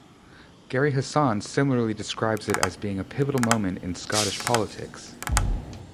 Gerry Hassan similarly describes it as being a pivotal moment in Scottish politics.